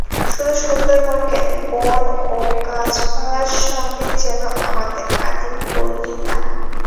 শুধু সুন্দরবন কেন, বন ও গাছপালার সঙ্গে যেন আমাদের আদিম বৈরিতা।